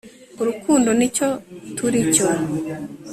urukundo nicyo turicyo